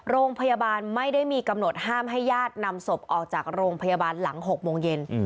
โรงพยาบาลไม่ได้มีกำหนดห้ามให้ญาตินำศพออกจากโรงพยาบาลหลัง๖โมงเย็น